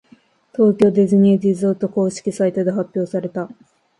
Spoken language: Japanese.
東京ディズニーリゾート公式サイトで発表された。